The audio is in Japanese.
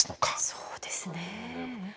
そうですね。